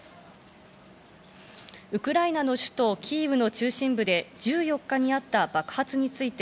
ウクライナの首都キーウの中心部で１４日にあった爆発について、